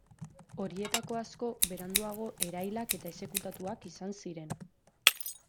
Horietako asko, beranduago, erailak eta exekutatuak izan ziren.